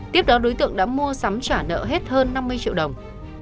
tiếp đó đối tượng đã mua sắm trả nợ hết hơn năm mươi triệu đồng